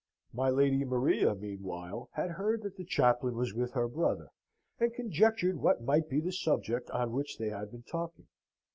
My Lady Maria meanwhile had heard that the chaplain was with her brother, and conjectured what might be the subject on which they had been talking.